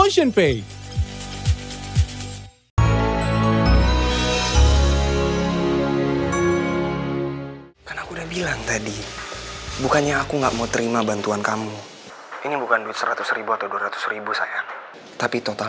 serbu diskon hanya di motionpay